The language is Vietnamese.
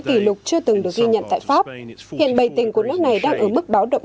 kỷ lục chưa từng được ghi nhận tại pháp hiện bảy tỉnh của nước này đang ở mức báo động